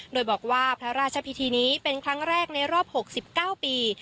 โดยบอกว่าพระราชพิธีนี้เป็นครั้งแรกในรอบ๖๙ปี